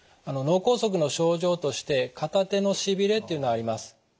脳梗塞の症状として片手のしびれっていうのはあります。